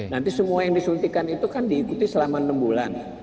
nanti semua yang disuntikan itu kan diikuti selama enam bulan